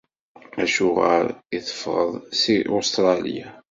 Acuɣer i d-teffɣeḍ seg Ustṛalya?